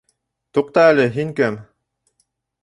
Туҡта әле, һин кем?